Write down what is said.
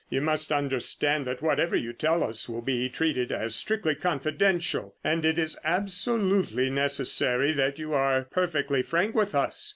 You must understand that whatever you tell us will be treated as strictly confidential, and it is absolutely necessary that you are perfectly frank with us.